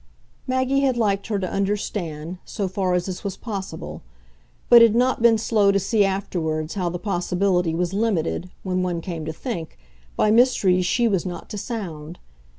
Maggie had liked her to understand, so far as this was possible; but had not been slow to see afterwards how the possibility was limited, when one came to think, by mysteries she was not to sound.